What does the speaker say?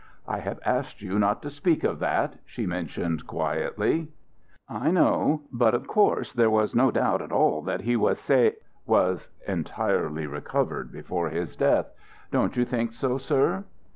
"I have asked you not to speak of that," she mentioned, quietly. "I know. But of course there was no doubt at all that he was sa was entirely recovered before his death. Don't you think so, sir?"